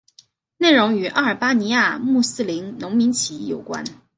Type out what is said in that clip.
内容与阿尔巴尼亚穆斯林农民起义有关。